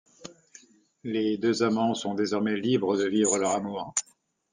Les deux amants sont désormais libres de vivre leur amour.